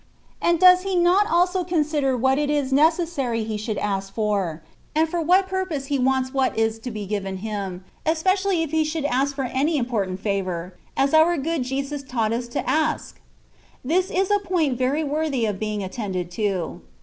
And does he not also consider what it is necessary he should ask for, and for what purpose he wants what is to be given to him, especially if he should ask for any important favour, as our good Jesus teaches us to ask? This is a point very worthy of being attended to.